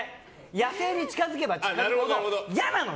野生に近づけば近づくほど嫌なの。